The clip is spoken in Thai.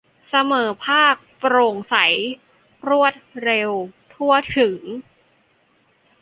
เสมอภาค โปร่งใส รวดเร็ว ทั่วถึง